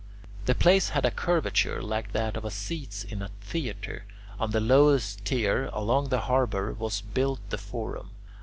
The place had a curvature like that of the seats in a theatre. On the lowest tier, along the harbour, was built the forum.